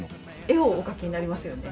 絵をお描きになりますよね？